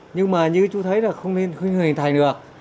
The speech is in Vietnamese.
nhưng mà như chú thấy là không nên hình thành được